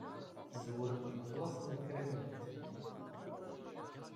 Szewremt lexlaṣ n lekra-nwent.